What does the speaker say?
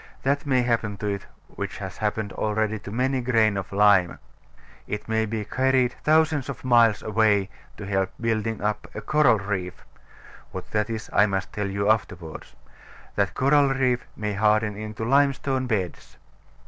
That may happen to it, which has happened already to many a grain of lime. It may be carried thousands of miles away to help in building up a coral reef (what that is I must tell you afterwards). That coral reef may harden into limestone beds.